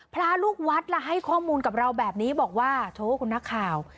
พระลูกวัดละให้ข้อมูลกับเราแบบนี้บอกว่าโถคุณนักข่าว